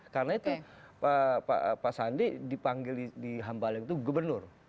karena itu pak sandi dipanggil di hamba lain itu gubernur